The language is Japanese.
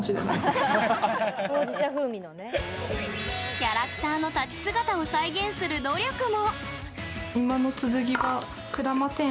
キャラクターの立ち姿を再現する努力も。